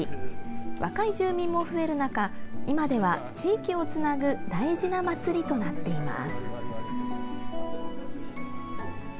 若い住民も増える中、今では地域をつなぐ大事な祭りとなっています。